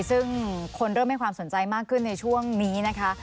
ซึ่งคนเริ่มให้ความสนใจมากขึ้นในช่วงนี้นะคะ